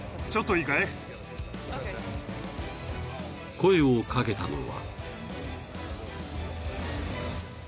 ［声を掛けたのは］